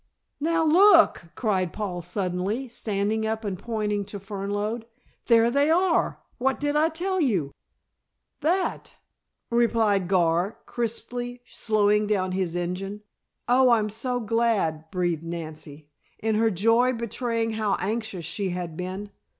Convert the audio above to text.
"Now look!" cried Paul suddenly, standing up and pointing to Fernlode. "There they are! What did I tell you!" "That," replied Gar, crisply, slowing down his engine. "Oh, I'm so glad," breathed Nancy, in her joy betraying how anxious she had been.